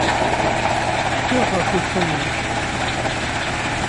Cfiɣ ɣef ussan-nni.